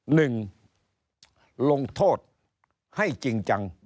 หนึ่งลงโทษให้จริงจัง